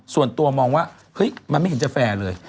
ส่วนตัวมองว่าเฮ้ยมันไม่เห็นจะแฟร์เลย